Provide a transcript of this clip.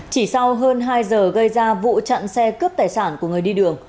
chỉ sau hơn hai giờ gây ra vụ chặn xe cướp tài sản của người đi đường